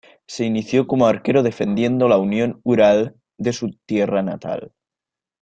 Se inició como arquero defendiendo al Unión Huaral de su tierra natal.